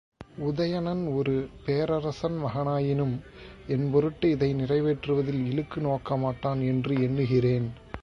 உதயணன் ஒரு பேரரசன் மகனாயினும், என் பொருட்டு இதை நிறைவேற்றுவதில் இழுக்கு நோக்கமாட்டான் என்று எண்ணுகிறேன்.